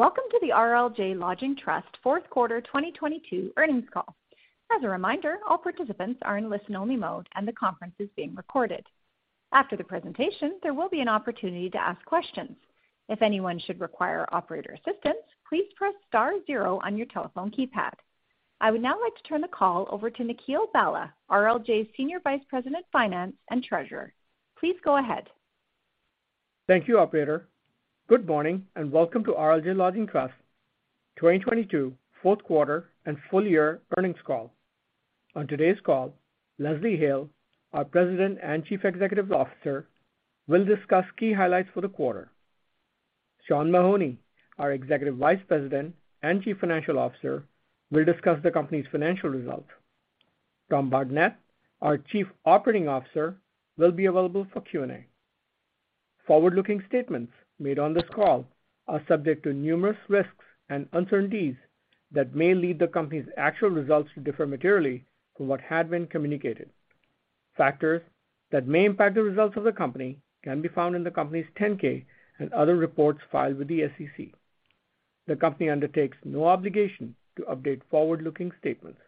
Welcome to the RLJ Lodging Trust Q4 2022 earnings call. As a reminder, all participants are in listen-only mode, and the conference is being recorded. After the presentation, there will be an opportunity to ask questions. If anyone should require operator assistance, please press star 0 on your telephone keypad. I would now like to turn the call over to Nikhil Bhalla, RLJ's Senior Vice President, Finance and Treasurer. Please go ahead. Thank you, operator. Good morning, and welcome to RLJ Lodging Trust 2022 Q4 and full year earnings call. On today's call, Leslie Hale, our President and Chief Executive Officer, will discuss key highlights for the quarter. Sean Mahoney, our Executive Vice President and Chief Financial Officer, will discuss the company's financial results. Tom Bardenett, our Chief Operating Officer, will be available for Q&A. Forward-looking statements made on this call are subject to numerous risks and uncertainties that may lead the company's actual results to differ materially from what had been communicated. Factors that may impact the results of the company can be found in the company's Form 10-K and other reports filed with the SEC. The company undertakes no obligation to update forward-looking statements.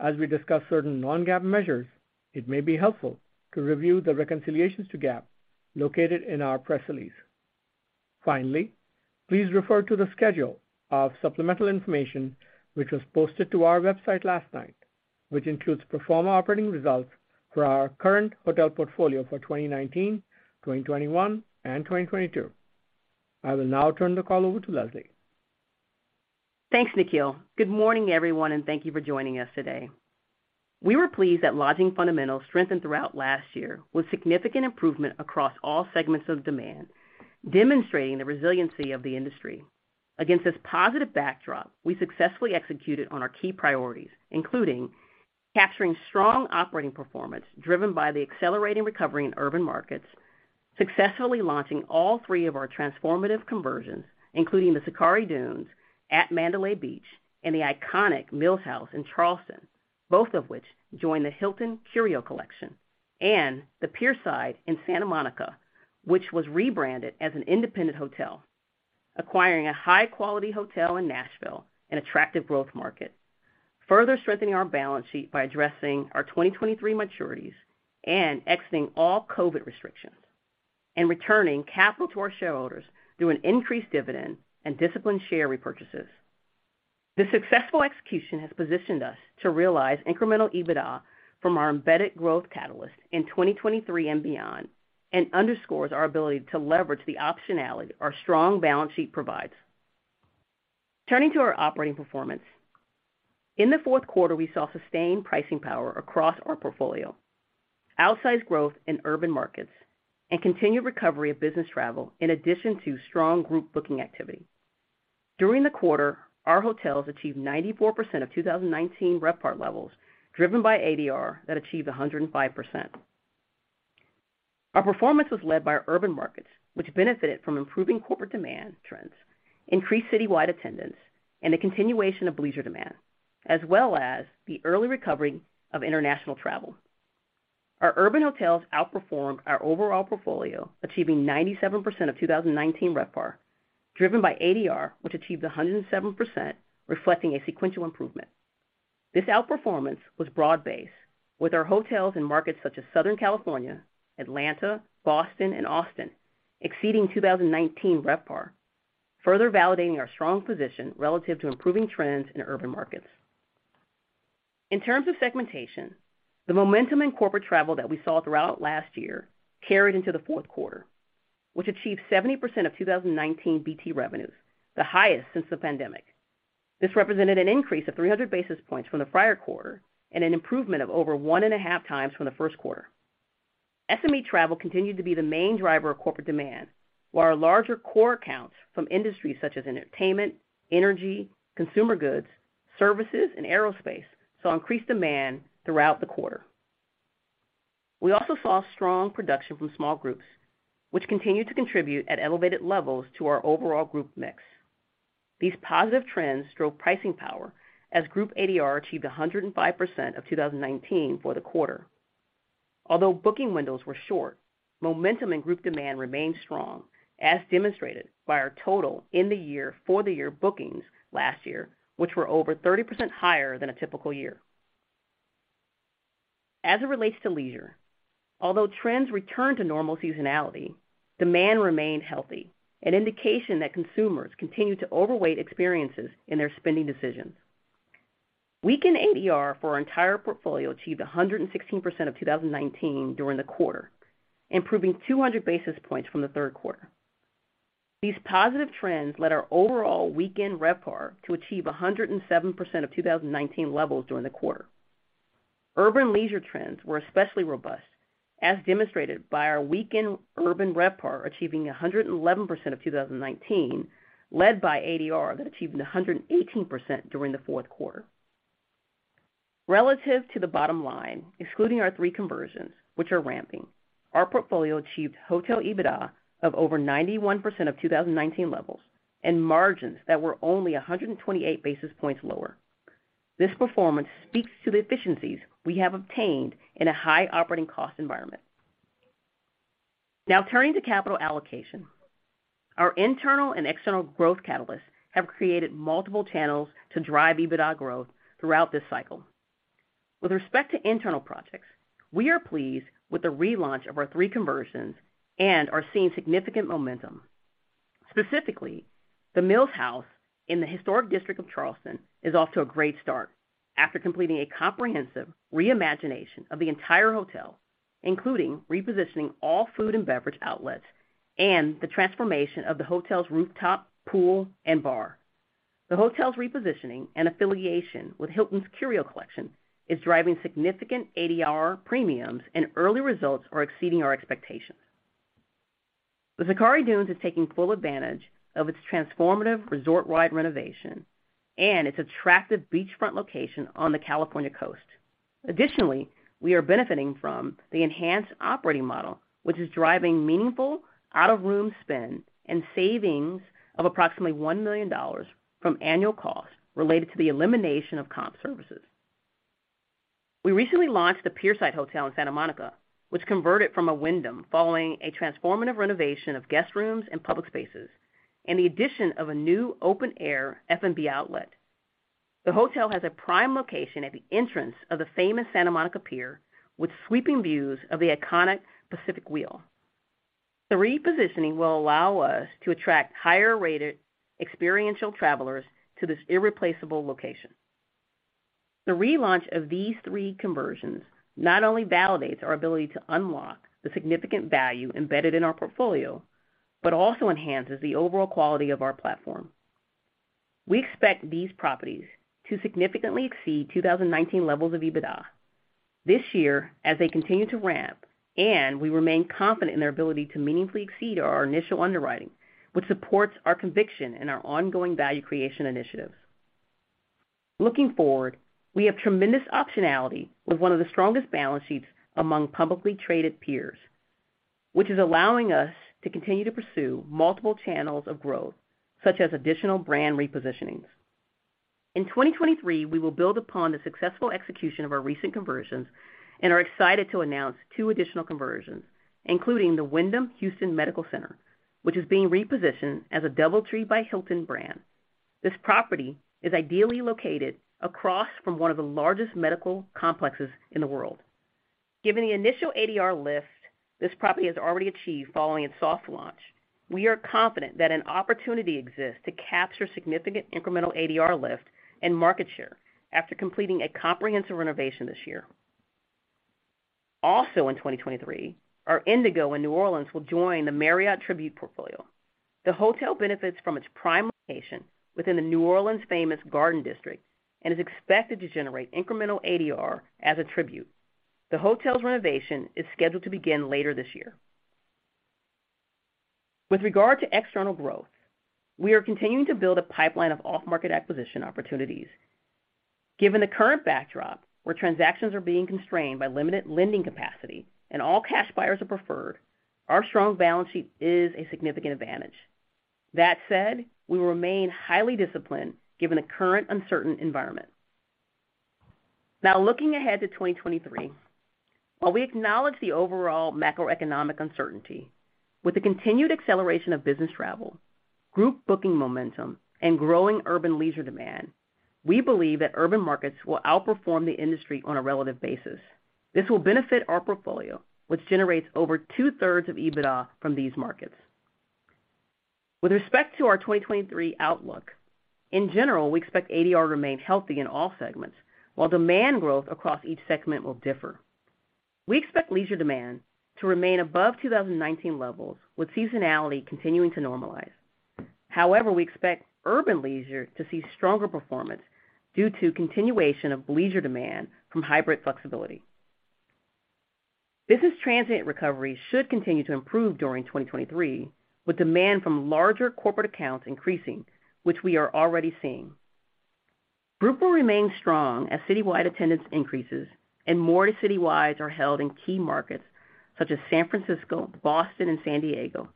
As we discuss certain non-GAAP measures, it may be helpful to review the reconciliations to GAAP located in our press release. Please refer to the schedule of supplemental information which was posted to our website last night, which includes pro forma operating results for our current hotel portfolio for 2019, 2021, and 2022. I will now turn the call over to Leslie. Thanks, Nikhil. Good morning, everyone, and thank you for joining us today. We were pleased that lodging fundamentals strengthened throughout last year with significant improvement across all segments of demand, demonstrating the resiliency of the industry. Against this positive backdrop, we successfully executed on our key priorities, including capturing strong operating performance driven by the accelerating recovery in urban markets, successfully launching all three of our transformative conversions, including the Zachari Dunes on Mandalay Beach and the iconic The Mills House in Charleston, both of which join the Curio Collection by Hilton, and the Pierside in Santa Monica, which was rebranded as an independent hotel. Acquiring a high-quality hotel in Nashville, an attractive growth market. Further strengthening our balance sheet by addressing our 2023 maturities and exiting all COVID restrictions, and returning capital to our shareholders through an increased dividend and disciplined share repurchases. This successful execution has positioned us to realize incremental EBITDA from our embedded growth catalyst in 2023 and beyond. Underscores our ability to leverage the optionality our strong balance sheet provides. Turning to our operating performance. In the Q4, we saw sustained pricing power across our portfolio, outsized growth in urban markets, and continued recovery of business travel in addition to strong group booking activity. During the quarter, our hotels achieved 94% of 2019 RevPAR levels, driven by ADR that achieved 105%. Our performance was led by our urban markets, which benefited from improving corporate demand trends, increased citywide attendance, and a continuation of leisure demand, as well as the early recovery of international travel. Our urban hotels outperformed our overall portfolio, achieving 97% of 2019 RevPAR, driven by ADR, which achieved 107%, reflecting a sequential improvement. This outperformance was broad-based, with our hotels in markets such as Southern California, Atlanta, Boston, and Austin exceeding 2019 RevPAR, further validating our strong position relative to improving trends in urban markets. In terms of segmentation, the momentum in corporate travel that we saw throughout last year carried into the Q4, which achieved 70% of 2019 BT revenues, the highest since the pandemic. This represented an increase of 300 basis points from the prior quarter and an improvement of over one and a half times from the Q1. SME travel continued to be the main driver of corporate demand, while our larger core accounts from industries such as entertainment, energy, consumer goods, services, and aerospace saw increased demand throughout the quarter. We also saw strong production from small groups, which continued to contribute at elevated levels to our overall group mix. These positive trends drove pricing power as group ADR achieved 105% of 2019 for the quarter. Although booking windows were short, momentum and group demand remained strong, as demonstrated by our total in the year for the year bookings last year, which were over 30% higher than a typical year. As it relates to leisure, although trends returned to normal seasonality, demand remained healthy, an indication that consumers continued to overweight experiences in their spending decisions. Weekend ADR for our entire portfolio achieved 116% of 2019 during the quarter, improving 200 basis points from the Q3. These positive trends led our overall weekend RevPAR to achieve 107% of 2019 levels during the quarter. Urban leisure trends were especially robust, as demonstrated by our weekend urban RevPAR achieving 111% of 2019, led by ADR that achieved 118% during the Q4. Relative to the bottom line, excluding our three conversions, which are ramping, our portfolio achieved hotel EBITDA of over 91% of 2019 levels and margins that were only 128 basis points lower. This performance speaks to the efficiencies we have obtained in a high operating cost environment. Now turning to capital allocation. Our internal and external growth catalysts have created multiple channels to drive EBITDA growth throughout this cycle. With respect to internal projects, we are pleased with the relaunch of our three conversions and are seeing significant momentum. Specifically, The Mills House in the historic district of Charleston is off to a great start after completing a comprehensive reimagination of the entire hotel, including repositioning all food and beverage outlets and the transformation of the hotel's rooftop, pool, and bar. The hotel's repositioning and affiliation with Hilton's Curio Collection is driving significant ADR premiums, and early results are exceeding our expectations. The Zachari Dunes is taking full advantage of its transformative resort-wide renovation and its attractive beachfront location on the California coast. Additionally, we are benefiting from the enhanced operating model, which is driving meaningful out-of-room spend and savings of approximately $1 million from annual costs related to the elimination of comp services. We recently launched The Pierside Hotel in Santa Monica, which converted from a Wyndham following a transformative renovation of guest rooms and public spaces, and the addition of a new open-air F&B outlet. The hotel has a prime location at the entrance of the famous Santa Monica Pier, with sweeping views of the iconic Pacific Wheel. The repositioning will allow us to attract higher-rated experiential travelers to this irreplaceable location. The relaunch of these three conversions not only validates our ability to unlock the significant value embedded in our portfolio but also enhances the overall quality of our platform. We expect these properties to significantly exceed 2019 levels of EBITDA. This year, as they continue to ramp, and we remain confident in their ability to meaningfully exceed our initial underwriting, which supports our conviction in our ongoing value creation initiatives. Looking forward, we have tremendous optionality with one of the strongest balance sheets among publicly traded peers, which is allowing us to continue to pursue multiple channels of growth, such as additional brand repositionings. In 2023, we will build upon the successful execution of our recent conversions and are excited to announce two additional conversions, including the Wyndham Houston Medical Center, which is being repositioned as a DoubleTree by Hilton brand. This property is ideally located across from one of the largest medical complexes in the world. Given the initial ADR lift this property has already achieved following its soft launch, we are confident that an opportunity exists to capture significant incremental ADR lift and market share after completing a comprehensive renovation this year. Also in 2023, our Indigo in New Orleans will join the Marriott Tribute Portfolio. The hotel benefits from its prime location within the New Orleans famous Garden District and is expected to generate incremental ADR as a Tribute. The hotel's renovation is scheduled to begin later this year. With regard to external growth, we are continuing to build a pipeline of off-market acquisition opportunities. Given the current backdrop, where transactions are being constrained by limited lending capacity and all-cash buyers are preferred, our strong balance sheet is a significant advantage. That said, we remain highly disciplined given the current uncertain environment. Now looking ahead to 2023. While we acknowledge the overall macroeconomic uncertainty, with the continued acceleration of business travel, group booking momentum, and growing urban leisure demand, we believe that urban markets will outperform the industry on a relative basis. This will benefit our portfolio, which generates over two-thirds of EBITDA from these markets. With respect to our 2023 outlook, in general, we expect ADR to remain healthy in all segments, while demand growth across each segment will differ. We expect leisure demand to remain above 2019 levels, with seasonality continuing to normalize. We expect urban leisure to see stronger performance due to continuation of leisure demand from hybrid flexibility. Business transient recovery should continue to improve during 2023, with demand from larger corporate accounts increasing, which we are already seeing. Group will remain strong as citywide attendance increases and more citywides are held in key markets such as San Francisco, Boston, and San Diego.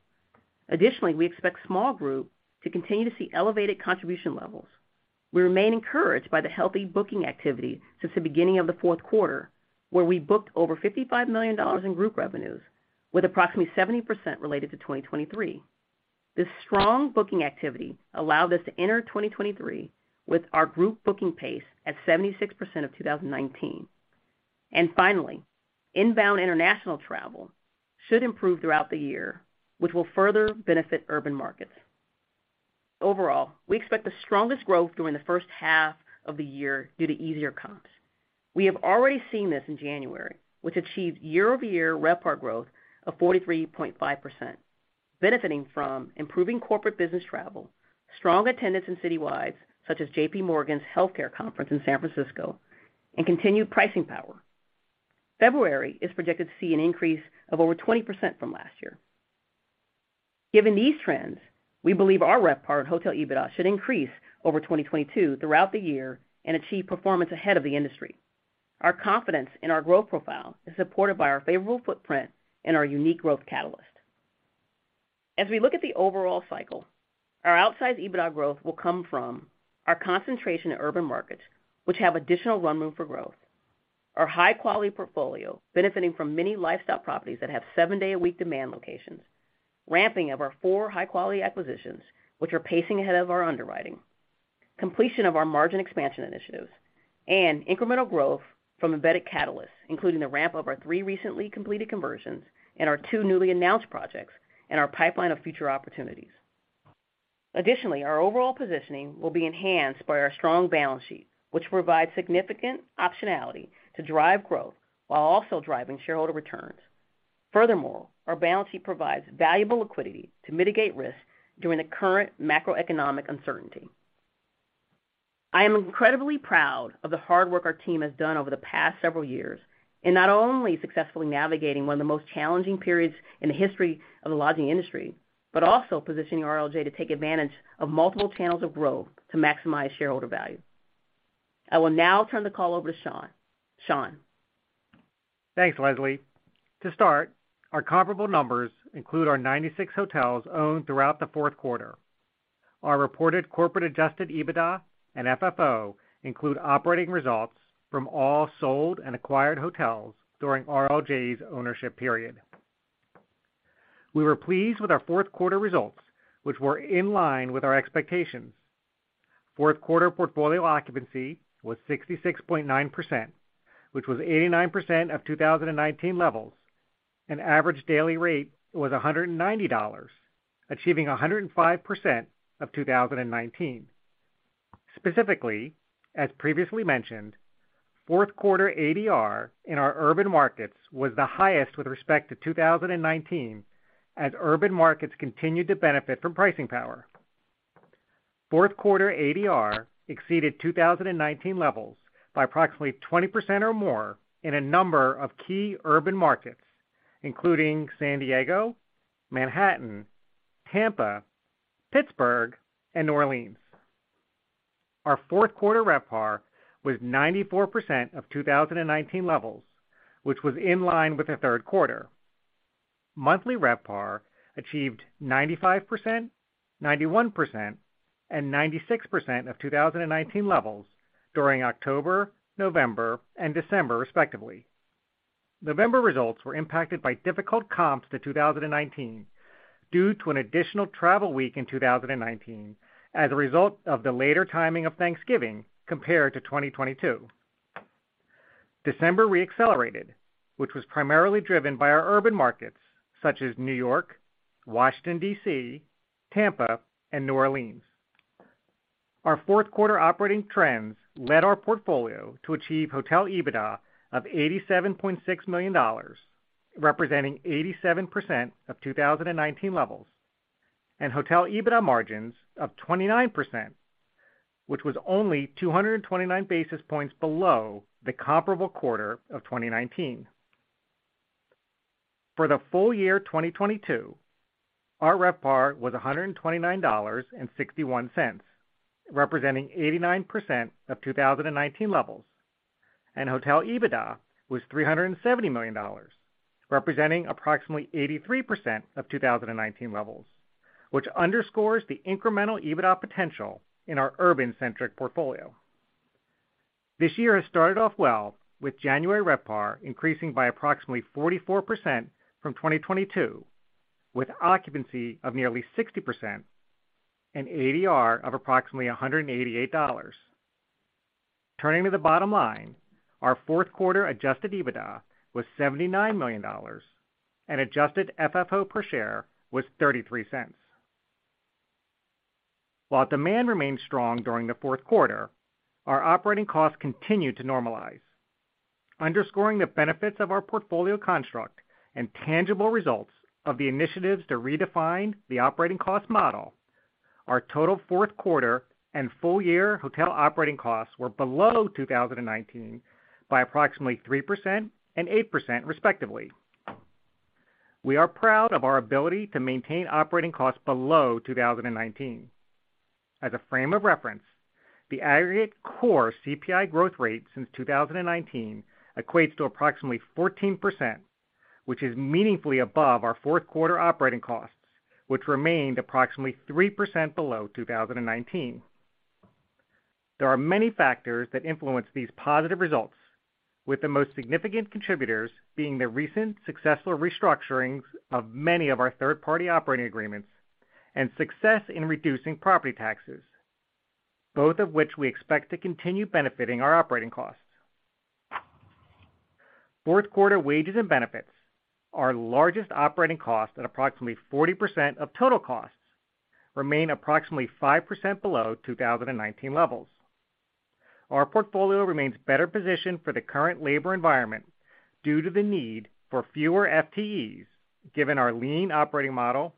Additionally, we expect small group to continue to see elevated contribution levels. We remain encouraged by the healthy booking activity since the beginning of the Q4, where we booked over $55 million in group revenues, with approximately 70% related to 2023. This strong booking activity allowed us to enter 2023 with our group booking pace at 76% of 2019. Finally, inbound international travel should improve throughout the year, which will further benefit urban markets. Overall, we expect the strongest growth during the first half of the year due to easier comps. We have already seen this in January, which achieved year-over-year RevPAR growth of 43.5%, benefiting from improving corporate business travel, strong attendance in citywides, such as J.P. Morgan Healthcare Conference in San Francisco, and continued pricing power. February is predicted to see an increase of over 20% from last year. Given these trends, we believe our RevPAR and hotel EBITDA should increase over 2022 throughout the year and achieve performance ahead of the industry. Our confidence in our growth profile is supported by our favorable footprint and our unique growth catalyst. As we look at the overall cycle, our outsized EBITDA growth will come from our concentration in urban markets, which have additional run room for growth, our high quality portfolio benefiting from many lifestyle properties that have 7 day a week demand locations, ramping of our 4 high quality acquisitions which are pacing ahead of our underwriting, completion of our margin expansion initiatives, and incremental growth from embedded catalysts, including the ramp of our 3 recently completed conversions and our 2 newly announced projects and our pipeline of future opportunities. Our overall positioning will be enhanced by our strong balance sheet, which provides significant optionality to drive growth while also driving shareholder returns. Our balance sheet provides valuable liquidity to mitigate risk during the current macroeconomic uncertainty. I am incredibly proud of the hard work our team has done over the past several years in not only successfully navigating one of the most challenging periods in the history of the lodging industry, but also positioning RLJ to take advantage of multiple channels of growth to maximize shareholder value. I will now turn the call over to Sean. Sean. Thanks, Leslie. To start, our comparable numbers include our 96 hotels owned throughout the Q4. Our reported corporate adjusted EBITDA and FFO include operating results from all sold and acquired hotels during RLJ's ownership period. We were pleased with our Q4 results, which were in line with our expectations. Q4 portfolio occupancy was 66.9%, which was 89% of 2019 levels, and ADR was $190, achieving 105% of 2019. Specifically, as previously mentioned, Q4 ADR in our urban markets was the highest with respect to 2019 as urban markets continued to benefit from pricing power. Q4 ADR exceeded 2019 levels by approximately 20% or more in a number of key urban markets, including San Diego, Manhattan, Tampa, Pittsburgh, and New Orleans. Our Q4 RevPAR was 94% of 2019 levels, which was in line with the Q3. Monthly RevPAR achieved 95%, 91%, and 96% of 2019 levels during October, November, and December, respectively. November results were impacted by difficult comps to 2019 due to an additional travel week in 2019 as a result of the later timing of Thanksgiving compared to 2022. December re-accelerated, which was primarily driven by our urban markets such as New York, Washington, D.C., Tampa, and New Orleans. Our Q4 operating trends led our portfolio to achieve hotel EBITDA of $87.6 million, representing 87% of 2019 levels, and hotel EBITDA margins of 29%, which was only 229 basis points below the comparable quarter of 2019. For the full year 2022, our RevPAR was $129.61, representing 89% of 2019 levels, and hotel EBITDA was $370 million, representing approximately 83% of 2019 levels, which underscores the incremental EBITDA potential in our urban-centric portfolio. This year has started off well with January RevPAR increasing by approximately 44% from 2022, with occupancy of nearly 60% and ADR of approximately $188. Turning to the bottom line, our Q4 adjusted EBITDA was $79 million and adjusted FFO per share was $0.33. While demand remained strong during the Q4, our operating costs continued to normalize. Underscoring the benefits of our portfolio construct and tangible results of the initiatives to redefine the operating cost model, our total Q4 and full year hotel operating costs were below 2019 by approximately 3% and 8% respectively. We are proud of our ability to maintain operating costs below 2019. As a frame of reference, the aggregate core CPI growth rate since 2019 equates to approximately 14%, which is meaningfully above our Q4 operating costs, which remained approximately 3% below 2019. There are many factors that influence these positive results, with the most significant contributors being the recent successful restructurings of many of our third-party operating agreements and success in reducing property taxes, both of which we expect to continue benefiting our operating costs. Q4 wages and benefits, our largest operating cost at approximately 40% of total costs, remain approximately 5% below 2019 levels. Our portfolio remains better positioned for the current labor environment due to the need for fewer FTEs given our lean operating model,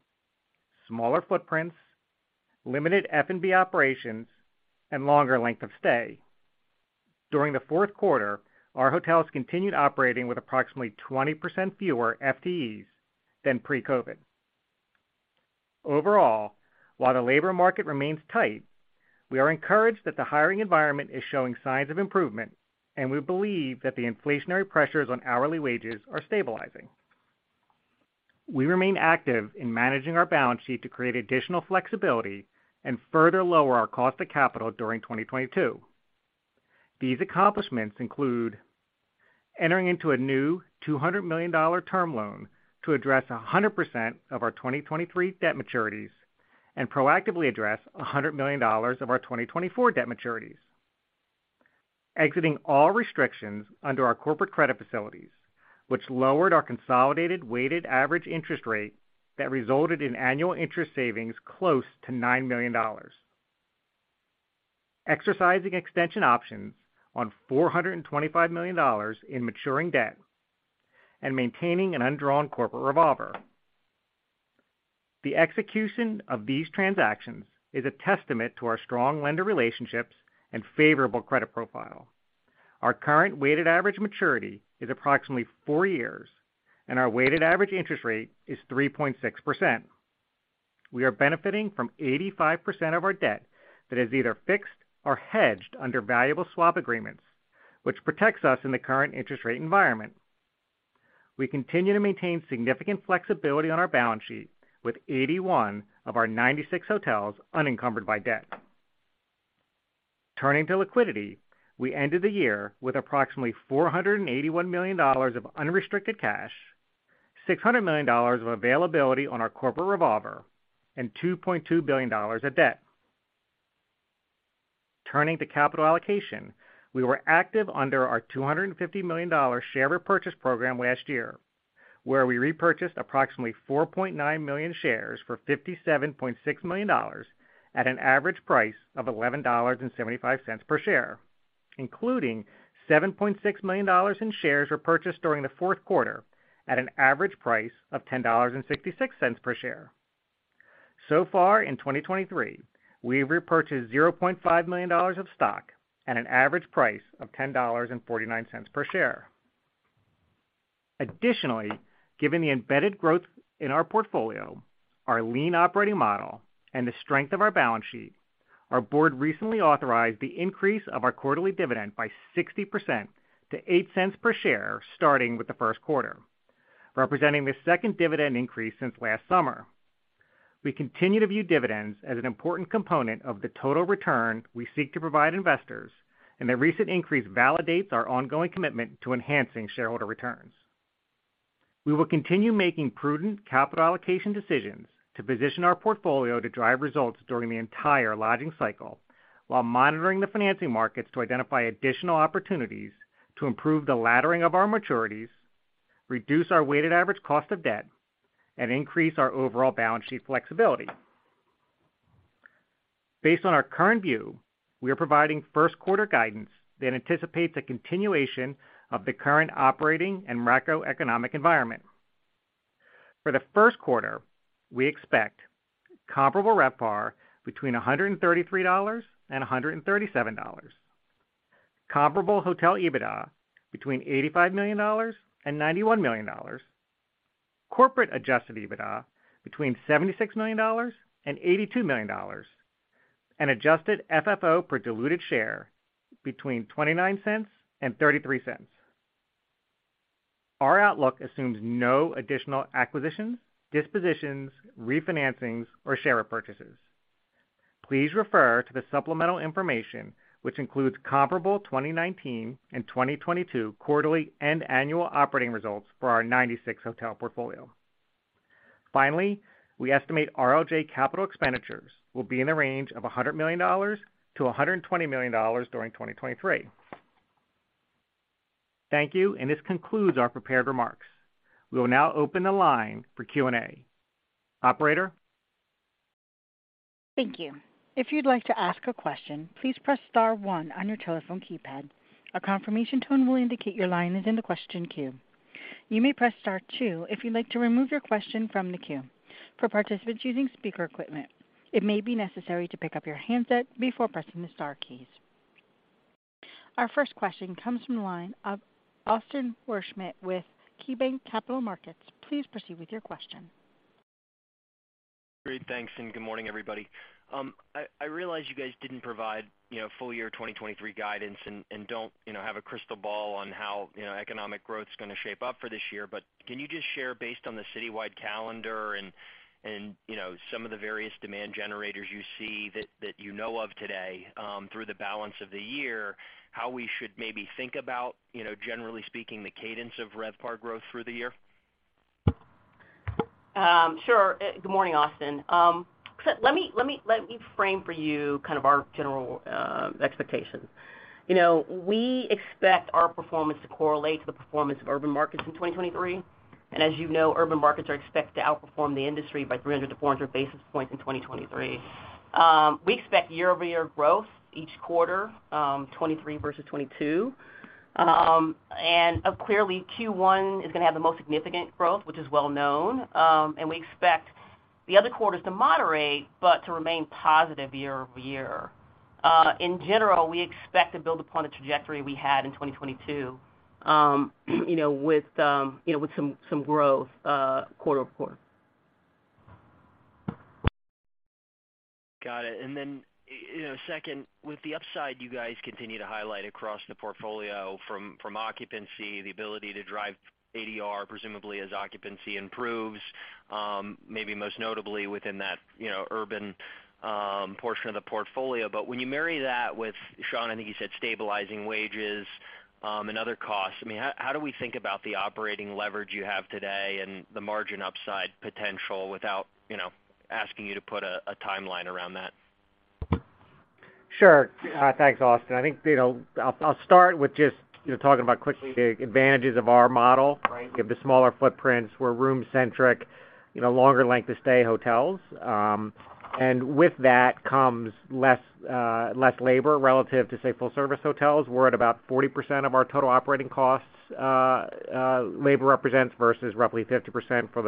smaller footprints, limited F&B operations, and longer length of stay. During the Q4, our hotels continued operating with approximately 20% fewer FTEs than pre-COVID. Overall, while the labor market remains, tightWe are encouraged that the hiring environment is showing signs of improvement, and we believe that the inflationary pressures on hourly wages are stabilizing. We remain active in managing our balance sheet to create additional flexibility and further lower our cost of capital during 2022. These accomplishments include entering into a new $200 million term loan to address 100% of our 2023 debt maturities and proactively address $100 million of our 2024 debt maturities. Exiting all restrictions under our corporate credit facilities, which lowered our consolidated weighted average interest rate that resulted in annual interest savings close to $9 million. Exercising extension options on $425 million in maturing debt and maintaining an undrawn corporate revolver. The execution of these transactions is a testament to our strong lender relationships and favorable credit profile. Our current weighted average maturity is approximately four years, and our weighted average interest rate is 3.6%. We are benefiting from 85% of our debt that is either fixed or hedged under valuable swap agreements, which protects us in the current interest rate environment. We continue to maintain significant flexibility on our balance sheet with 81 of our 96 hotels unencumbered by debt. Turning to liquidity, we ended the year with approximately $481 million of unrestricted cash, $600 million of availability on our corporate revolver, and $2.2 billion of debt. Turning to capital allocation, we were active under our $250 million share repurchase program last year, where we repurchased approximately 4.9 million shares for $57.6 million at an average price of $11.75 per share, including $7.6 million in shares repurchased during the Q4 at an average price of $10.66 per share. Far in 2023, we've repurchased $0.5 million of stock at an average price of $10.49 per share. Additionally, given the embedded growth in our portfolio, our lean operating model, and the strength of our balance sheet, our board recently authorized the increase of our quarterly dividend by 60% to $0.08 per share starting with the Q1, representing the second dividend increase since last summer. We continue to view dividends as an important component of the total return we seek to provide investors. The recent increase validates our ongoing commitment to enhancing shareholder returns. We will continue making prudent capital allocation decisions to position our portfolio to drive results during the entire lodging cycle, while monitoring the financing markets to identify additional opportunities to improve the laddering of our maturities, reduce our weighted average cost of debt, and increase our overall balance sheet flexibility. Based on our current view, we are providing Q1 guidance that anticipates a continuation of the current operating and macroeconomic environment. For the Q1, we expect comparable RevPAR between $133 and $137, comparable hotel EBITDA between $85 million and $91 million, corporate adjusted EBITDA between $76 million and $82 million, and adjusted FFO per diluted share between $0.29 and $0.33. Our outlook assumes no additional acquisitions, dispositions, refinancings, or share repurchases. Please refer to the supplemental information, which includes comparable 2019 and 2022 quarterly and annual operating results for our 96-hotel portfolio. Finally, we estimate RLJ capital expenditures will be in the range of $100 million to $120 million during 2023. Thank you, and this concludes our prepared remarks. We will now open the line for Q&A. Operator? Thank you. If you'd like to ask a question, please press star one on your telephone keypad. A confirmation tone will indicate your line is in the question queue. You may press star two if you'd like to remove your question from the queue. For participants using speaker equipment, it may be necessary to pick up your handset before pressing the star keys. Our first question comes from the line of Austin Wurschmidt with KeyBanc Capital Markets. Please proceed with your question. Great. Thanks. Good morning, everybody. I realize you guys didn't provide, full year 2023 guidance and don't, have a crystal ball on how, economic growth's gonna shape up for this year. Can you just share based on the citywide calendar and, some of the various demand generators you see that of today, through the balance of the year, how we should maybe think about, generally speaking, the cadence of RevPAR growth through the year? Sure. Good morning, Austin Wurschmidt. Let me frame for you kind of our general expectations. You know, we expect our performance to correlate to the performance of urban markets in 2023. As you know, urban markets are expected to outperform the industry by 300-400 basis points in 2023. We expect year-over-year growth each quarter, 2023 versus 2022. Clearly, Q1 is gonna have the most significant growth, which is well known. We expect the other quarters to moderate but to remain positive year-over-year. In general, we expect to build upon a trajectory we had in 2022, with, some growth quarter-over-quarter. Got it. You know, second, with the upside you guys continue to highlight across the portfolio from occupancy, the ability to drive ADR, presumably as occupancy improves, maybe most notably within that, urban, portion of the portfolio. When you marry that with, Sean, I think you said stabilizing wages, and other costs, I mean, how do we think about the operating leverage you have today and the margin upside potential without, asking you to put a timeline around that? Sure. Thanks, Austin. I think, I'll start with just, talking about quickly the advantages of our model, right? Give the smaller footprints, we're room-centric, longer length of stay hotels. With that comes less labor relative to, say, full-service hotels. We're at about 40% of our total operating costs, labor represents versus roughly 50% for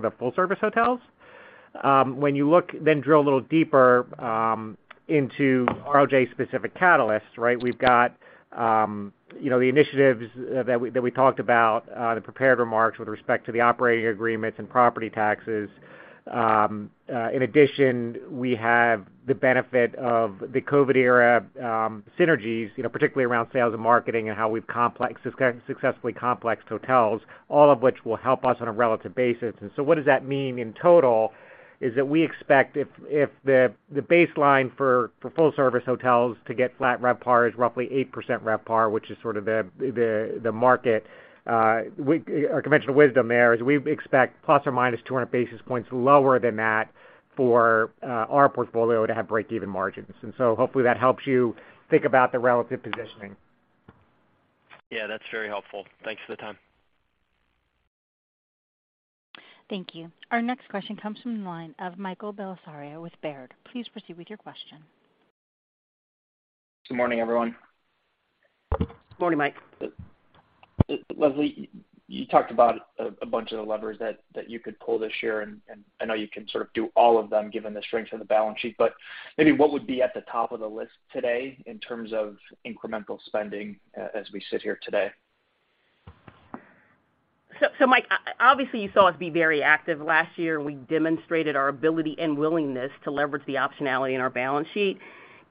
the full-service hotels. When you look, then drill a little deeper into RLJ-specific catalysts, right? We've got, the initiatives that we talked about, the prepared remarks with respect to the operating agreements and property taxes. In addition, we have the benefit of the COVID era synergies, particularly around sales and marketing and how we've successfully complexed hotels, all of which will help us on a relative basis. What does that mean in total is that we expect if the baseline for full-service hotels to get flat RevPAR is roughly 8% RevPAR, which is sort of the market, our conventional wisdom there is we expect plus or minus 200 basis points lower than that for our portfolio to have break-even margins. Hopefully that helps you think about the relative positioning. Yeah, that's very helpful. Thanks for the time. Thank you. Our next question comes from the line of Michael Bellisario with Baird. Please proceed with your question. Good morning, everyone. Morning, Mike. Leslie, you talked about a bunch of the levers that you could pull this year, and I know you can sort of do all of them given the strength of the balance sheet. Maybe what would be at the top of the list today in terms of incremental spending as we sit here today? Mike, obviously, you saw us be very active last year, and we demonstrated our ability and willingness to leverage the optionality in our balance sheet.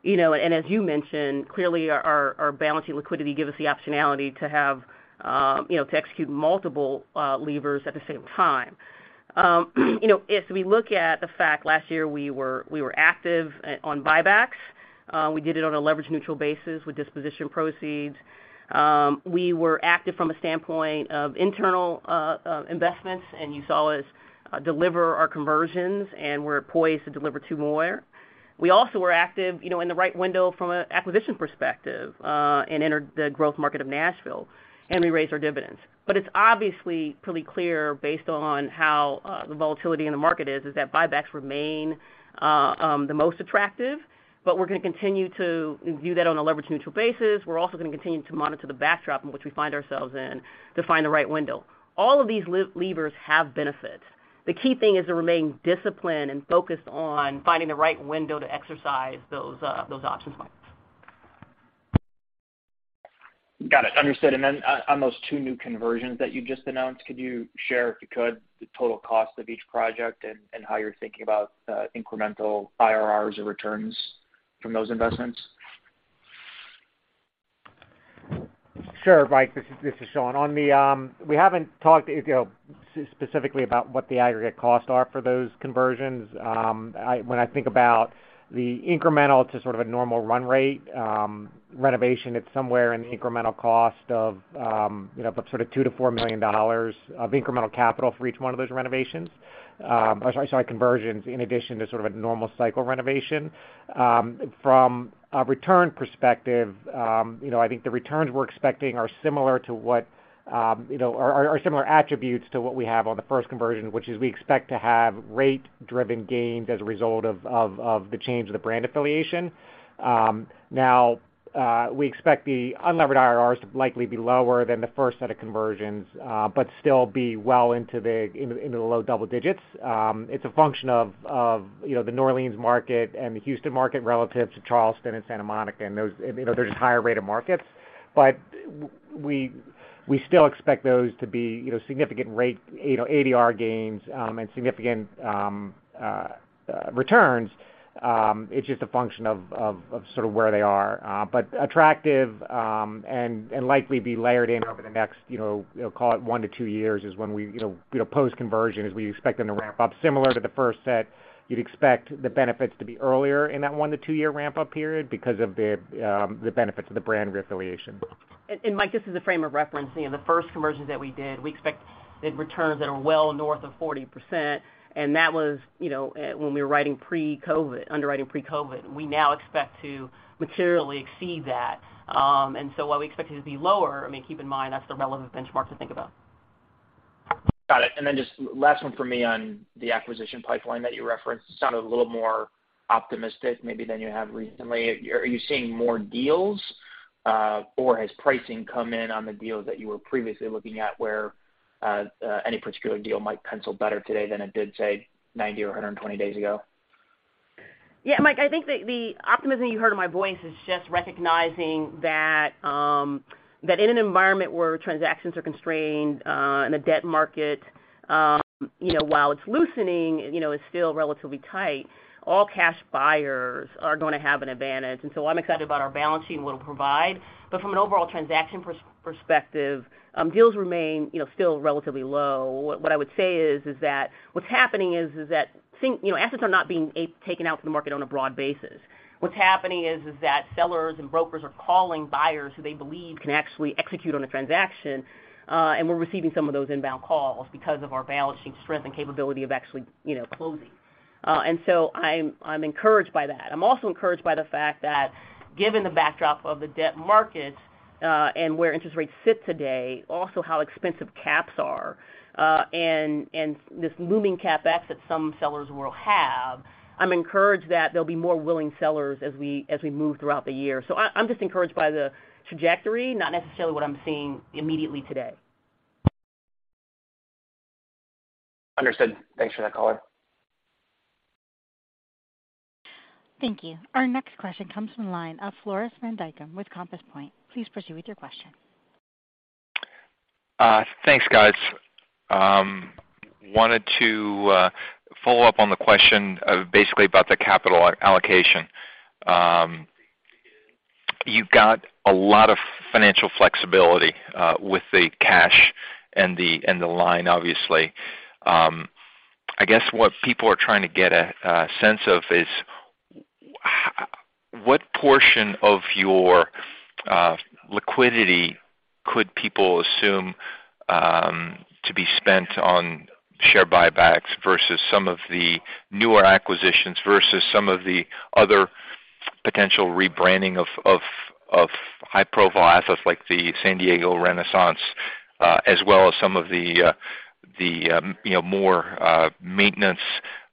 You know, as you mentioned, clearly our balance sheet liquidity gives us the optionality to have, to execute multiple levers at the same time. You know, if we look at the fact last year we were active on buybacks, we did it on a leverage neutral basis with disposition proceeds. We were active from a standpoint of internal investments, and you saw us deliver our conversions, and we're poised to deliver 2 more. We also were active, in the right window from an acquisition perspective, and entered the growth market of Nashville, and we raised our dividends. It's obviously pretty clear based on how the volatility in the market is that buybacks remain the most attractive, but we're gonna continue to do that on a leverage neutral basis. We're also gonna continue to monitor the backdrop in which we find ourselves in to find the right window. All of these levers have benefits. The key thing is to remain disciplined and focused on finding the right window to exercise those options, Mike. Got it. Understood. On those 2 new conversions that you just announced, could you share, if you could, the total cost of each project and how you're thinking about incremental IRRs or returns from those investments? Sure, Mike, this is Sean. On the, we haven't talked, specifically about what the aggregate costs are for those conversions. When I think about the incremental to sort of a normal run rate, renovation, it's somewhere in the incremental cost of, sort of $2 million-$4 million of incremental capital for each one of those renovations. Or sorry, conversions in addition to sort of a normal cycle renovation. From a return perspective, I think the returns we're expecting are similar to what, or similar attributes to what we have on the first conversion, which is we expect to have rate-driven gains as a result of the change of the brand affiliation. Now, we expect the unlevered IRRs to likely be lower than the first set of conversions but still be well into the low double digits. It's a function of, the New Orleans market and the Houston market relative to Charleston and Santa Monica, and those, they're just higher rate of markets. We still expect those to be, significant rate, ADR gains, and significant returns. It's just a function of sort of where they are. Attractive, and likely be layered in over the next, call it 1-2 years is when we, post-conversion, as we expect them to ramp up. Similar to the first set, you'd expect the benefits to be earlier in that 1-2 year ramp-up period because of the benefits of the brand reaffiliation. Mike, just as a frame of reference, the first conversions that we did, we expect the returns that are well north of 40%, and that was, when we were writing pre-COVID, underwriting pre-COVID. We now expect to materially exceed that. While we expect it to be lower, I mean, keep in mind, that's the relevant benchmark to think about. Got it. Just last one for me on the acquisition pipeline that you referenced. It sounded a little more optimistic maybe than you have recently. Are you seeing more deals, or has pricing come in on the deals that you were previously looking at where any particular deal might pencil better today than it did, say, 90 or 120 days ago? Yeah, Mike, I think the optimism you heard in my voice is just recognizing that in an environment where transactions are constrained and the debt market, while it's loosening, is still relatively tight, all cash buyers are gonna have an advantage. I'm excited about our balance sheet and what it'll provide. From an overall transaction perspective, deals remain, still relatively low. What I would say is that what's happening is that assets are not being taken out from the market on a broad basis. What's happening is that sellers and brokers are calling buyers who they believe can actually execute on a transaction, and we're receiving some of those inbound calls because of our balance sheet strength and capability of actually, closing. I'm encouraged by that. I'm also encouraged by the fact that given the backdrop of the debt market, and where interest rates sit today, also how expensive caps are, and this looming CapEx that some sellers will have, I'm encouraged that there'll be more willing sellers as we move throughout the year. I'm just encouraged by the trajectory, not necessarily what I'm seeing immediately today. Understood. Thanks for that color. Thank you. Our next question comes from the line of Floris van Dijk with Compass Point. Please proceed with your question. Thanks, guys. Wanted to follow up on the question basically about the capital allocation. You've got a lot of financial flexibility with the cash and the line, obviously. I guess what people are trying to get a sense of is what portion of your liquidity could people assume to be spent on share buybacks versus some of the newer acquisitions versus some of the other potential rebranding of high-profile assets like the San Diego Renaissance, as well as some of the, more maintenance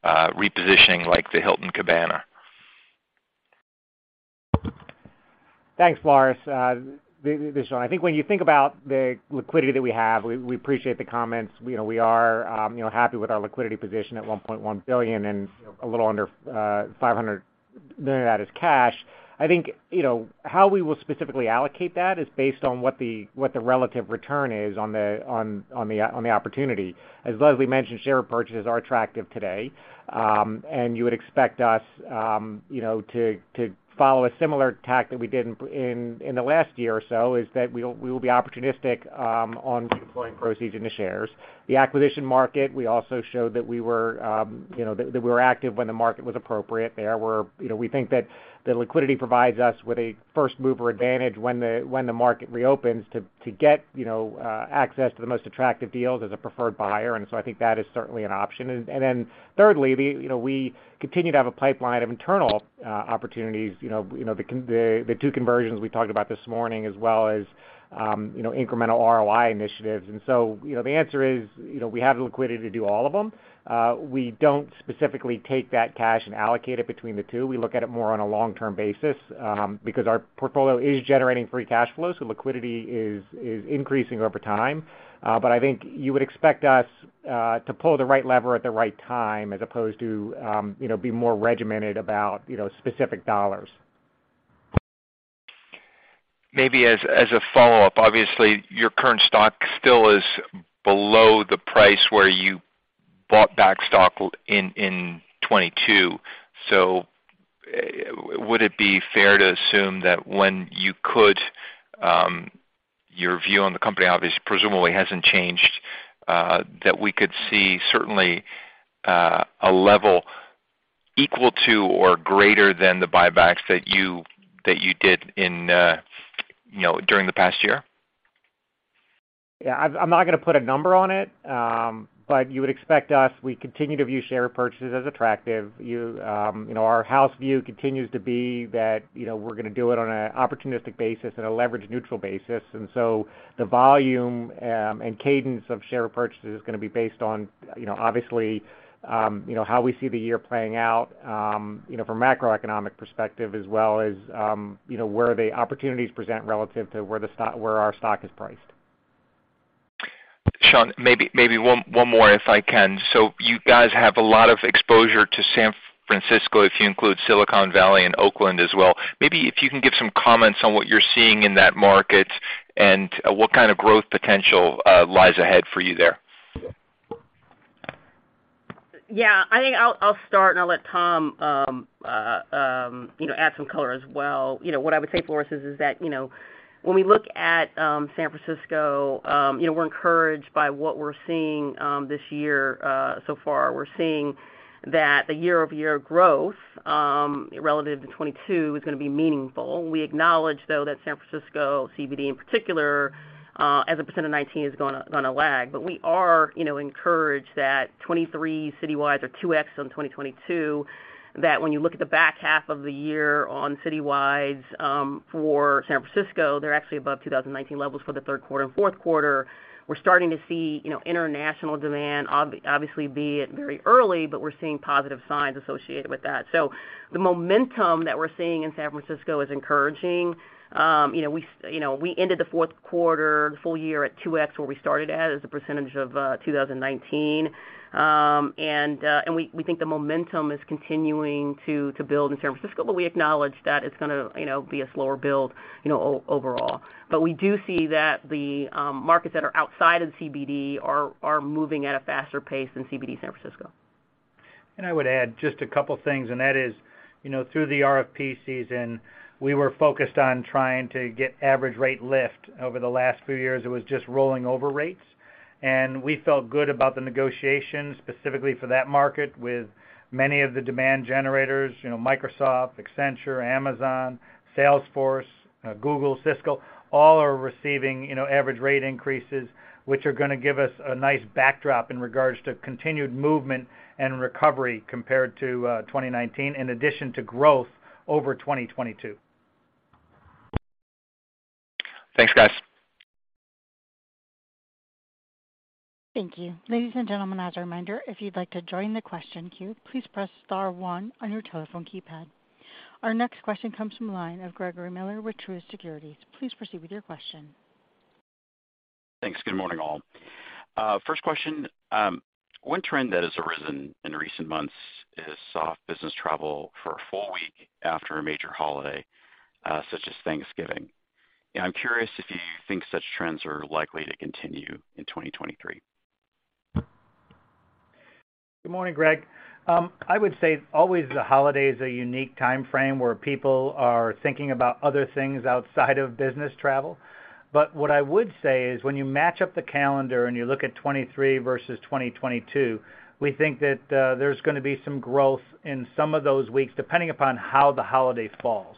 repositioning like the Hilton Cabana? Thanks, Floris. This is Sean. I think when you think about the liquidity that we have, we appreciate the comments. You know, we are, happy with our liquidity position at $1.1 billion and, a little under $500 billion of that is cash. I think, you know, how we will specifically allocate that is based on what the relative return is on the opportunity. As Leslie mentioned, share purchases are attractive today, and you would expect us, to follow a similar tact that we did in the last year or so, is that we will be opportunistic on deploying proceeds in the shares. The acquisition market, we also showed that we were, that we were active when the market was appropriate. You know, we think that the liquidity provides us with a first-mover advantage when the market reopens to get, access to the most attractive deals as a preferred buyer, so I think that is certainly an option. Then thirdly, we continue to have a pipeline of internal opportunities, the two conversions we talked about this morning, as well as, incremental ROI initiatives. So, the answer is, we have the liquidity to do all of them. We don't specifically take that cash and allocate it between the two. We look at it more on a long-term basis, because our portfolio is generating free cash flow, so liquidity is increasing over time. I think you would expect us to pull the right lever at the right time as opposed to be more regimented about, specific dollars. Maybe as a follow-up, obviously, your current stock still is below the price where you bought back stock in 2022. Would it be fair to assume that when you could, your view on the company obviously presumably hasn't changed, that we could see certainly a level equal to or greater than the buybacks that you did, during the past year? Yeah, I'm not gonna put a number on it, but you would expect us, we continue to view share purchases as attractive. You know, our house view continues to be that we're gonna do it on an opportunistic basis and a leverage neutral basis. The volume and cadence of share purchases is gonna be based on, obviously, how we see the year playing out, from macroeconomic perspective, as well as, where the opportunities present relative to where our stock is priced. Sean, maybe one more if I can. You guys have a lot of exposure to San Francisco, if you include Silicon Valley and Oakland as well. Maybe if you can give some comments on what you're seeing in that market and what kind of growth potential lies ahead for you there. Yeah, I think I'll start, and I'll let Tom, add some color as well. You know, what I would say, Floris, is that, when we look at San Francisco, we're encouraged by what we're seeing this year so far. We're seeing that the year-over-year growth relative to 2022 is gonna be meaningful. We acknowledge, though, that San Francisco, CBD in particular, as a percent of 2019 is gonna lag. We are, encouraged that 2023 citywide are 2x in 2022, that when you look at the back half of the year on citywides for San Francisco, they're actually above 2019 levels for the Q3 and Q4. We're starting to see, international demand obviously be at very early, but we're seeing positive signs associated with that. The momentum that we're seeing in San Francisco is encouraging. You know, we ended the Q4, the full year at 2x, where we started at, as a percentage of, 2019. We think the momentum is continuing to build in San Francisco, but we acknowledge that it's gonna, be a slower build, overall. We do see that the markets that are outside of the CBD are moving at a faster pace than CBD San Francisco. I would add just a couple things, and that is, through the RFP season, we were focused on trying to get average rate lift. Over the last few years, it was just rolling over rates. We felt good about the negotiations specifically for that market with many of the demand generators, Microsoft, Accenture, Amazon, Salesforce, Google, Cisco, all are receiving, average rate increases, which are gonna give us a nice backdrop in regard to continued movement and recovery compared to 2019, in addition to growth over 2022. Thanks, guys. Thank you. Ladies and gentlemen, as a reminder, if you'd like to join the question queue, please press star 1 on your telephone keypad. Our next question comes from line of Gregory Miller with Truist Securities. Please proceed with your question. Thanks. Good morning, all. First question. One trend that has arisen in recent months is soft business travel for a full week after a major holiday, such as Thanksgiving. I'm curious if you think such trends are likely to continue in 2023. Good morning, Greg. I would say always the holiday is a unique timeframe where people are thinking about other things outside of business travel. What I would say is when you match up the calendar and you look at 23 versus 2022, we think that there's gonna be some growth in some of those weeks, depending upon how the holiday falls.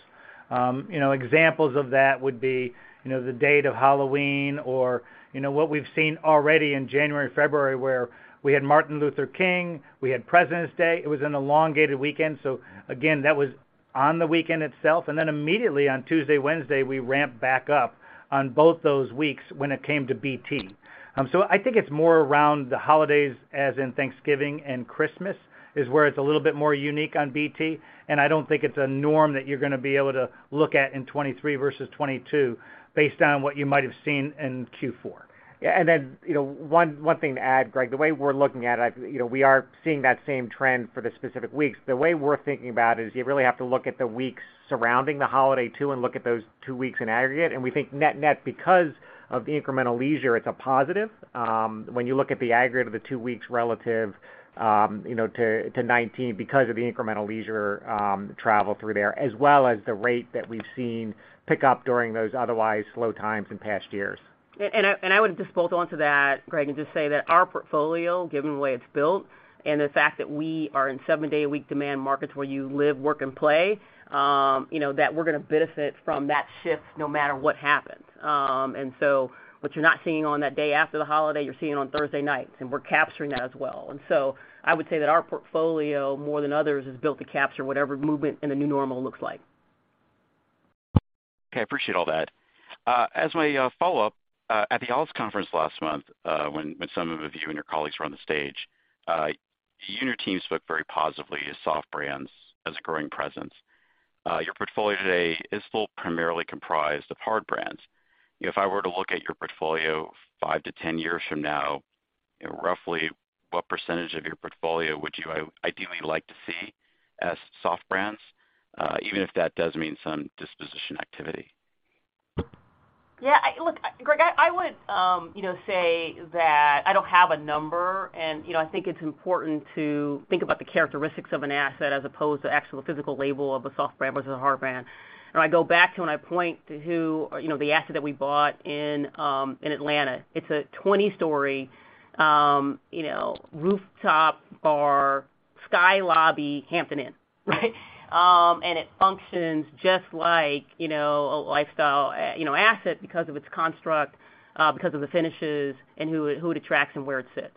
You know, examples of that would be, the date of Halloween or, what we've seen already in January and February, where we had Martin Luther King, we had Presidents' Day. It was an elongated weekend, so again, that was on the weekend itself. Then immediately on Tuesday, Wednesday, we ramped back up on both those weeks when it came to BT. I think it's more around the holidays, as in Thanksgiving and Christmas, is where it's a little bit more unique on BT, and I don't think it's a norm that you're gonna be able to look at in 23 versus 22 based on what you might have seen in Q4. Then, you know, one thing to add, Greg, the way we're looking at it, we are seeing that same trend for the specific weeks. The way we're thinking about it is you really have to look at the weeks surrounding the holiday too and look at those two weeks in aggregate. We think net-net because of the incremental leisure, it's a positive, when you look at the aggregate of the two weeks relative, to 19 because of the incremental leisure travel through there, as well as the rate that we've seen pick up during those otherwise slow times in past years. I would just bolt onto that, Greg, and just say that our portfolio, given the way it's built, and the fact that we are in seven-day-a-week demand markets where you live, work, and play, that we're gonna benefit from that shift no matter what happens. What you're not seeing on that day after the holiday, you're seeing on Thursday nights, and we're capturing that as well. I would say that our portfolio, more than others, is built to capture whatever movement in the new normal looks like. Okay. I appreciate all that. As my follow-up, at the ALIS conference last month, when some of you and your colleagues were on the stage, you and your team spoke very positively to soft brands as a growing presence. Your portfolio today is still primarily comprised of hard brands. If I were to look at your portfolio 5-10 years from now, roughly what percentage of your portfolio would you ideally like to see as soft brands, even if that does mean some disposition activity? Yeah, look, Greg, I would, say that I don't have a number. You know, I think it's important to think about the characteristics of an asset as opposed to actual physical label of a soft brand versus a hard brand. I go back to when I point to who, the asset that we bought in Atlanta. It's a 20-story, rooftop bar, sky lobby Hampton Inn, right? It functions just like, a lifestyle, asset because of its construct, because of the finishes and who it attracts and where it sits.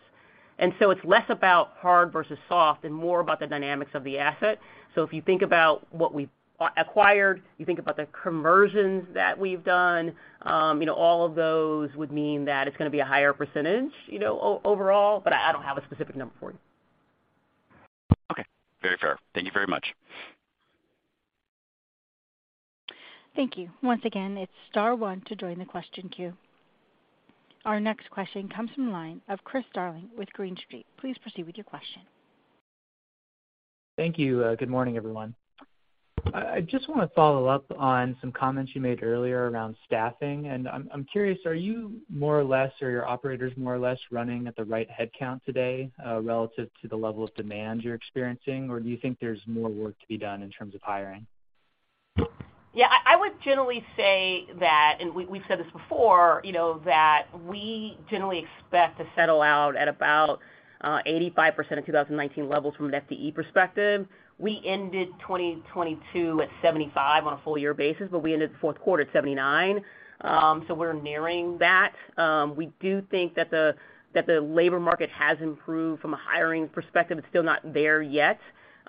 So, it's less about hard versus soft and more about the dynamics of the asset. If you think about what we've acquired, you think about the conversions that we've done, all of those would mean that it's gonna be a higher percentage, overall, but I don't have a specific number for you. Okay. Very fair. Thank you very much. Thank you. Once again, it's star one to join the question queue. Our next question comes from the line of Chris Darling with Green Street. Please proceed with your question. Thank you. good morning, everyone. I just wanna follow up on some comments you made earlier around staffing. I'm curious, are you more or less, or your operators more or less running at the right headcount today, relative to the level of demand you're experiencing? Do you think there's more work to be done in terms of hiring? I would generally say that, and we've said this before, that we generally expect to settle out at about 85% of 2019 levels from an FTE perspective. We ended 2022 at 75 on a full year basis, but we ended the Q4 at 79. We're nearing that. We do think that the labor market has improved from a hiring perspective. It's still not there yet,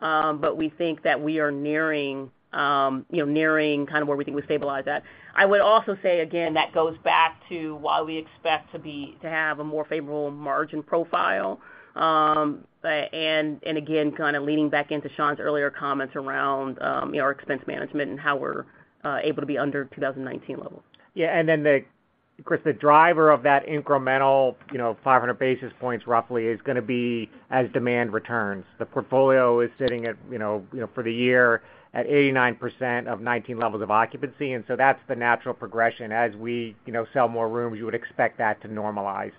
but we think that we are nearing, kind of where we think we've stabilized at. I would also say, again, that goes back to why we expect to have a more favorable margin profile. Again, kind of leaning back into Sean's earlier comments around, our expense management and how we're able to be under 2019 levels. Yeah, Chris, the driver of that incremental, 500 basis points roughly is gonna be as demand returns. The portfolio is sitting at, for the year at 89% of 19 levels of occupancy. That's the natural progression. As we, sell more rooms, you would expect that to normalize.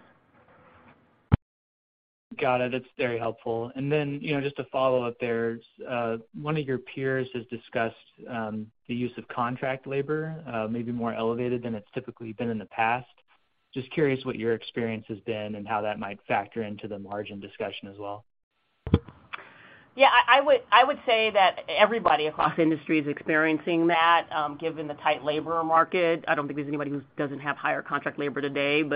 Got it. It's very helpful. You know, just to follow up there, one of your peers has discussed the use of contract labor, maybe more elevated than it's typically been in the past. Just curious what your experience has been and how that might factor into the margin discussion as well? Yeah, I would say that everybody across the industry is experiencing that, given the tight labor market. I don't think there's anybody who doesn't have higher contract labor today. You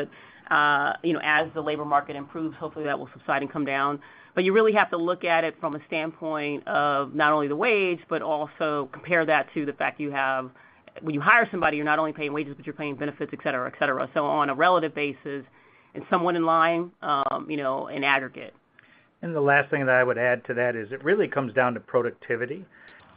know, as the labor market improves, hopefully that will subside and come down. You really have to look at it from a standpoint of not only the wage, but also compare that to the fact you have. When you hire somebody, you're not only paying wages, but you're paying benefits, et cetera, et cetera. On a relative basis, it's somewhat in line, in aggregate. The last thing that I would add to that is it really comes down to productivity.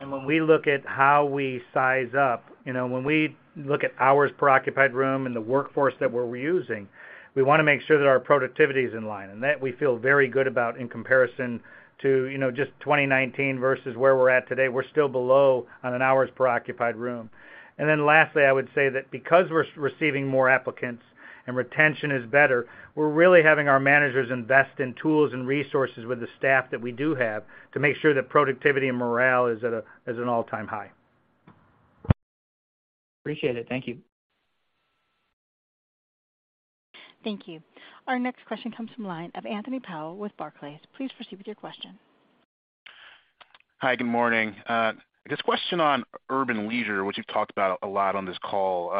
When we look at how we size up, when we look at hours per occupied room and the workforce that we're using, we wanna make sure that our productivity is in line. That we feel very good about in comparison to, just 2019 versus where we're at today. We're still below on an hours per occupied room. Lastly, I would say that because we're receiving more applicants and retention is better, we're really having our managers invest in tools and resources with the staff that we do have to make sure that productivity and morale is an all-time high. Appreciate it. Thank you. Thank you. Our next question comes from line of Anthony Powell with Barclays. Please proceed with your question. Hi, good morning. This question on urban leisure, which you've talked about a lot on this call,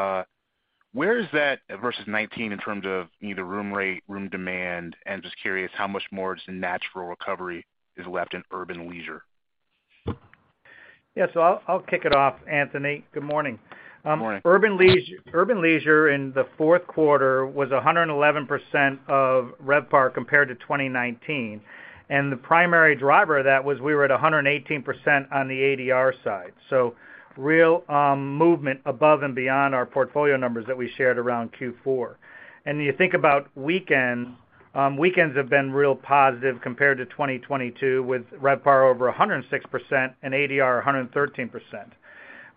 where is that versus 19 in terms of either room rate, room demand, and just curious how much more just natural recovery is left in urban leisure? Yeah. I'll kick it off, Anthony. Good morning. Good morning. urban leisure in the Q4 was 111% of RevPAR compared to 2019. The primary driver of that was we were at 118% on the ADR side. Real movement above and beyond our portfolio numbers that we shared around Q4. You think about weekends have been real positive compared to 2022, with RevPAR over 106% and ADR 113%.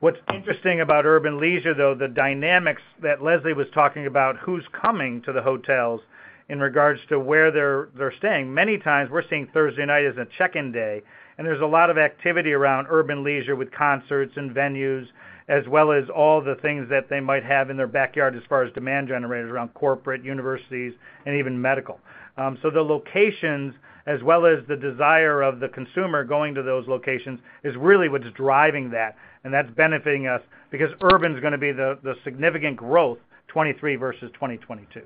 What's interesting about urban leisure, though, the dynamics that Leslie Hale was talking about, who's coming to the hotels in regard to where they're staying. Many times we're seeing Thursday night as a check-in day. There's a lot of activity around urban leisure with concerts and venues, as well as all the things that they might have in their backyard as far as demand generators around corporate universities and even medical. The locations as well as the desire of the consumer going to those locations is really what is driving that. That's benefiting us because urban is gonna be the significant growth 2023 versus 2022.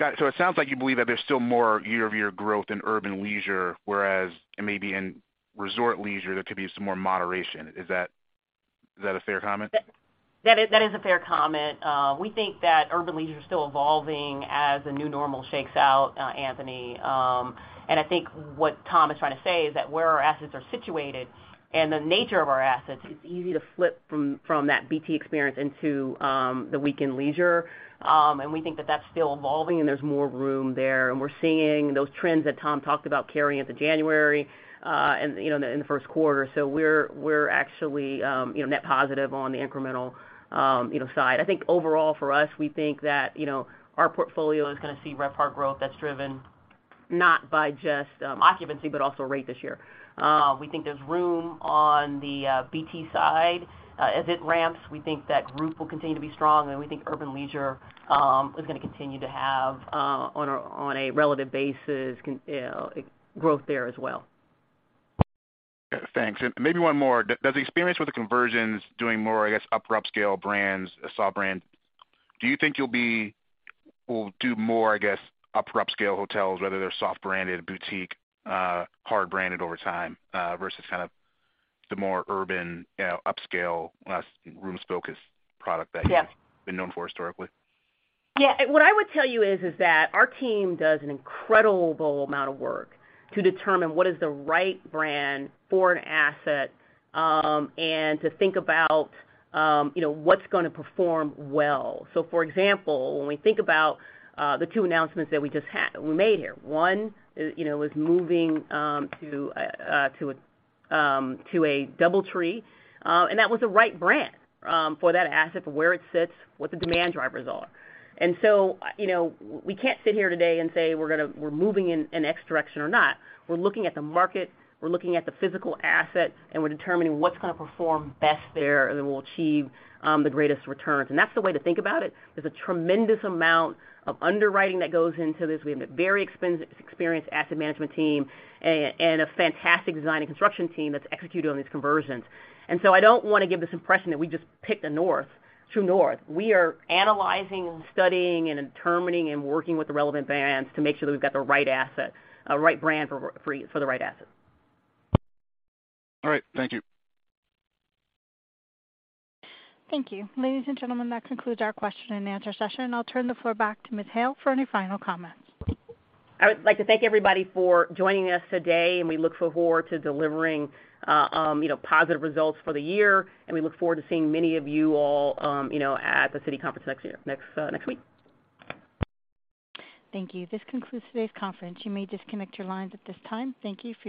Got it. It sounds like you believe that there's still more year-over-year growth in urban leisure, whereas maybe in resort leisure, there could be some more moderation. Is that a fair comment? That is a fair comment. We think that urban leisure is still evolving as the new normal shakes out, Anthony. I think what Tom is trying to say is that where our assets are situated and the nature of our assets, it's easy to flip from that BT experience into the weekend leisure. We think that that's still evolving, and there's more room there. We're seeing those trends that Tom talked about carrying into January and, in the first quarter. We're actually, net positive on the incremental, side. I think overall for us, we think that our portfolio is gonna see RevPAR growth that's driven not by just occupancy but also rate this year. We think there's room on the BT side. As it ramps, we think that group will continue to be strong, and we think urban leisure, is gonna continue to have, on a relative basis, growth there as well. Thanks. Maybe one more. Does the experience with the conversions doing more, I guess, upper upscale brands, soft brand, do you think will do more, I guess, upper upscale hotels, whether they're soft branded boutique, hard branded over time, versus kind of the more urban, upscale, less rooms focused product that-? Yes. you've been known for historically? Yeah. What I would tell you is that our team does an incredible amount of work to determine what is the right brand for an asset, and to think about, what's gonna perform well. For example, when we think about the two announcements that we made here, one, is moving to a DoubleTree, and that was the right brand for that asset, for where it sits, what the demand drivers are. You know, we can't sit here today and say we're moving in an X direction or not. We're looking at the market, we're looking at the physical assets, and we're determining what's gonna perform best there, and then we'll achieve the greatest returns. That's the way to think about it. There's a tremendous amount of underwriting that goes into this. We have a very expensive experienced asset management team and a fantastic design and construction team that's executing on these conversions. I don't wanna give this impression that we just picked the north, true north. We are analyzing, studying, and determining and working with the relevant brands to make sure that we've got the right asset, right brand for the right asset. All right. Thank you. Thank you. Ladies and gentlemen, that concludes our question-and-answer session. I'll turn the floor back to Ms. Hale for any final comments. I would like to thank everybody for joining us today, and we look forward to delivering, positive results for the year, and we look forward to seeing many of you all, at the Citi conference next week. Thank you. This concludes today's conference. You may disconnect your lines at this time. Thank you for your participation.